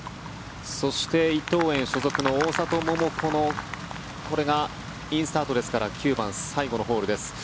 そして伊藤園所属の大里桃子のこれがインスタートですから９番、最後のホールです。